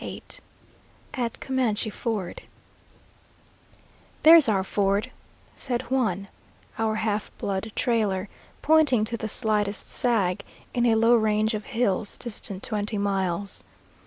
VIII AT COMANCHE FORD "There's our ford," said Juan, our half blood trailer, pointing to the slightest sag in a low range of hills distant twenty miles.